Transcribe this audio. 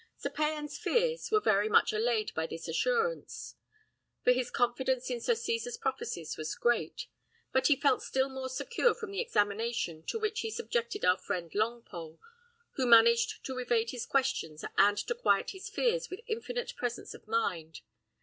Sir Payan's fears were very much allayed by this assurance, for his confidence in Sir Cesar's prophecies was great; but he felt still more secure from the examination to which he subjected our friend Longpole, who managed to evade his questions and to quiet his fears with infinite presence of mind.